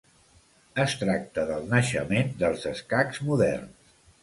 Es tracta del naixement dels escacs moderns.